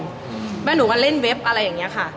แล้วหนูก็เล่นเว็บอะไรอย่างนี้ค่ะ